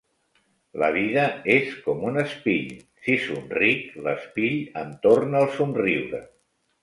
La vida és com un espill; si somric, l'espill em torna el somriure.